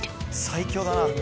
最強だな。